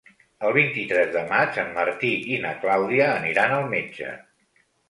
El vint-i-tres de maig en Martí i na Clàudia aniran al metge.